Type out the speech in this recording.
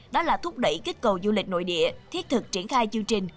đó là thúc đẩy kích cầu du lịch nội địa thiết thực triển khai chương trình